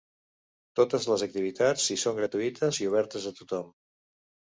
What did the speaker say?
Totes les activitats hi són gratuïtes i obertes a tothom.